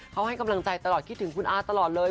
เขาให้กำลังใจตลอดคิดถึงคุณอาตลอดเลย